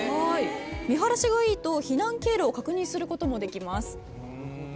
見晴らしがいいと避難経路を確認することもできます。